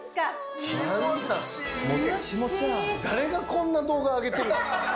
誰がこんな動画上げてるの？